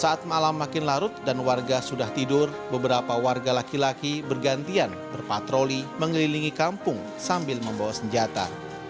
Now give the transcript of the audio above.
saat malam makin larut dan warga sudah tidur beberapa warga laki laki bergantian berpatroli mengelilingi kampung sambil membawa senjata